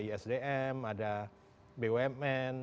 isdm ada bumn